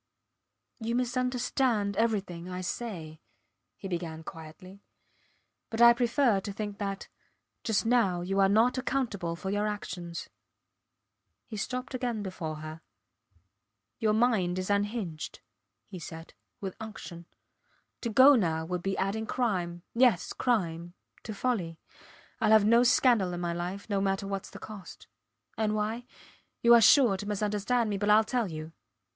You misunderstand everything I say, he began quietly, but I prefer to think that just now you are not accountable for your actions. He stopped again before her. Your mind is unhinged, he said, with unction. To go now would be adding crime yes, crime to folly. Ill have no scandal in my life, no matter whats the cost. And why? You are sure to misunderstand me but Ill tell you.